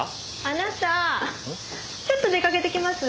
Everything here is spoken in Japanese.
あなたちょっと出かけてきます。